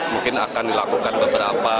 mungkin akan dilakukan beberapa